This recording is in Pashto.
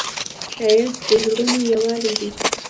ښایست د زړونو یووالی دی